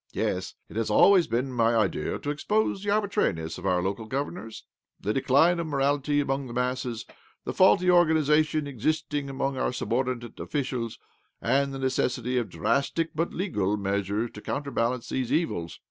lYes, it has always been my idea to expose OBLOMOV 37 the arbitrariness of our local governors, the decline of morality among the masses, the faulty organization existing among our sub oi'dinate officials, and the necessity of drastic, but legal, measures to counterbalance these evils.